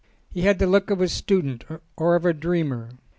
He had the look of a student or of a dreamer.